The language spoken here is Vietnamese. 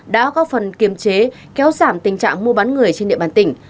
đã góp phần kiềm chế kéo giảm tình trạng mua bán người trên địa bàn tỉnh